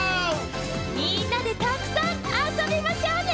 みんなでたくさんあそびましょうね！